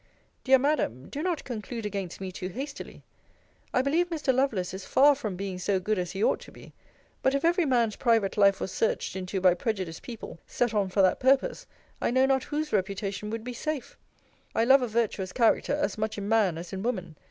Dear Madam, do not conclude against me too hastily. I believe Mr. Lovelace is far from being so good as he ought to be: but if every man's private life was searched into by prejudiced people, set on for that purpose, I know not whose reputation would be safe. I love a virtuous character, as much in man as in woman.